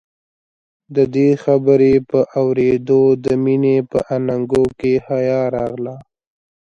د دې خبرې په اورېدو د مينې په اننګو کې حيا راغله.